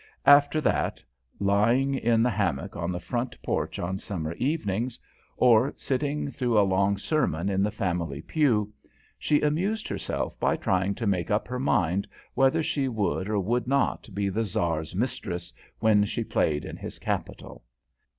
After that, lying in the hammock on the front porch on summer evenings, or sitting through a long sermon in the family pew, she amused herself by trying to make up her mind whether she would or would not be the Czar's mistress when she played in his Capital.